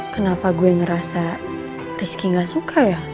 kenapa gue ngerasa rizky gak suka ya